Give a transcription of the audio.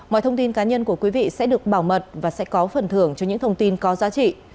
mọi thông tin cá nhân của quý vị sẽ được bảo mật và sẽ có phần thưởng cho những thông tin có giá trị